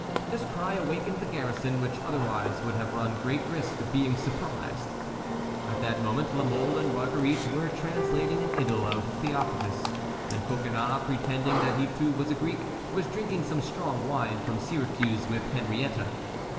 This cry awakened the garrison, which otherwise would have run great risk of being surprised. At that moment La Mole and Marguerite were translating an idyl of Theocritus, and Coconnas, pretending that he too was a Greek, was drinking some strong wine from Syracuse with Henriette.